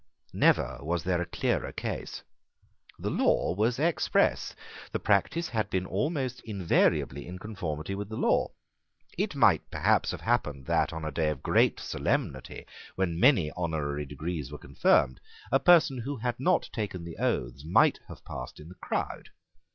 Never was there a clearer case. The law was express. The practice had been almost invariably in conformity with the law. It might perhaps have happened that, on a day of great solemnity, when many honorary degrees were conferred, a person who had not taken the oaths might have passed in the crowd.